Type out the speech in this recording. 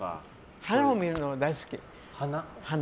花を見るのは大好き。